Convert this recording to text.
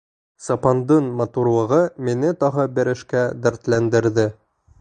Сапандың матурлығы мине тағы бер эшкә дәртләндерҙе.